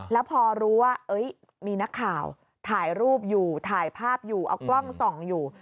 แล้วพอรู้ว่ามีนักข่าวถ่ายรูปอยู่ถ่ายภาพอยู่เอากล้องส่องอยู่